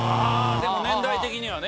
でも、年代的にはね。